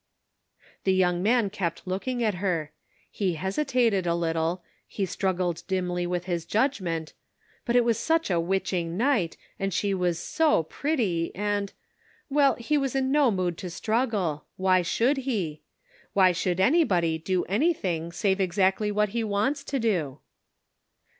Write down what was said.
The young man kept looking at her; he hes itated a little, he struggled dimly with his judgment — but it was such a witching night, and she was so pretty, and — well, he was in no mood to struggle ; why should he ? Why should anybody do anything save exactly what he wants to do?